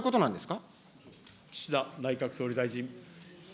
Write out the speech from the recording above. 岸田内閣総理大臣。